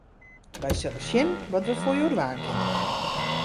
Wy sille sjen wat we foar jo dwaan kinne.